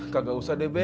kagak usah deh be